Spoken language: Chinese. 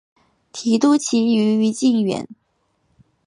提督旗移于靖远。